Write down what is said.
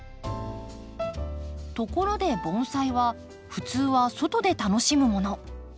ところで盆栽は普通は外で楽しむもの。